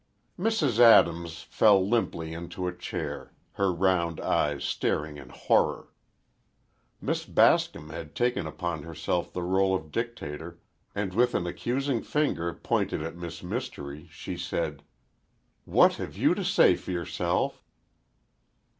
Mrs. Adams fell limply into a chair, her round eyes staring in horror. Miss Bascom had taken upon herself the rôle of dictator and with an accusing finger pointed at Miss Mystery she said: "What have you to say for yourself?"